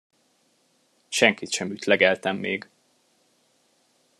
Senkit sem ütlegeltem még.